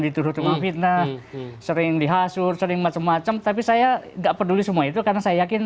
diturut sama fitnah sering dihasur sering macam macam tapi saya enggak peduli semua itu karena saya yakin